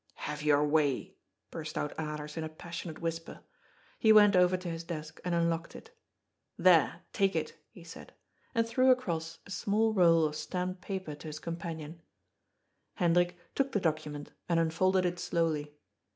" Have your way," burst out Alers in a passionate whisper. He went over to his desk and unlocked it. " There, take it," he said, and threw across a small roll of stamped paper to his companion. THE SHADOW OP THE SWORD. 411 Hendrik took the document and unfolded it slowly.